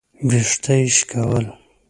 ويښته يې شکول.